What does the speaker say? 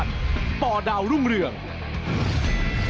นักมวยจอมคำหวังเว่เลยนะครับ